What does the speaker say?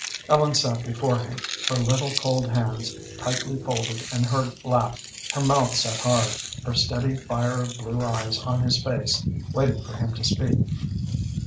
Ellen sat before him, her little, cold hands tightly folded in her lap, her mouth set hard, her steady fire of blue eyes on his face, waiting for him to speak.